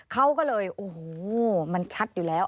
เขาก็เลยโอ้โหมันชัดอยู่แล้ว